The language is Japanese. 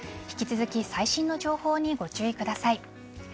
引き続き最新の情報にご注意ください。